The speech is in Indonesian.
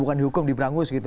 bukan dihukum diberangus gitu